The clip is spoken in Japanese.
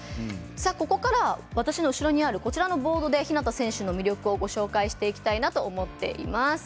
ここから、私の後ろにあるこちらのボードで日向選手の魅力をご紹介していきたいと思っています。